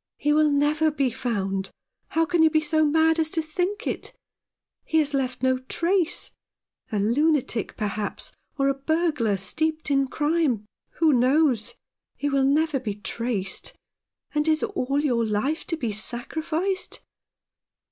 " He will never be found. How can you be so mad as to think it ? He has left no trace — a lunatic, perhaps, or a burglar, steeped in crime. Who knows ? He will never be traced. And is all your life to be sacrificed